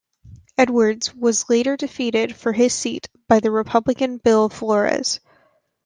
Edwards was later defeated for his seat by the Republican Bill Flores.